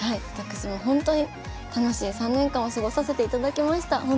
私もほんとに楽しい３年間を過ごさせていただきました。